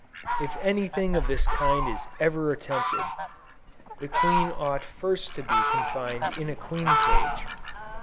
If any thing of this kind is ever attempted, the queen ought first to be confined in a queen cage.